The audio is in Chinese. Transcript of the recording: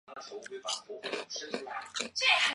阇耶跋摩三世在吴哥城建都。